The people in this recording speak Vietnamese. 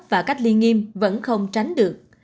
và cách ly nghiêm vẫn không tránh được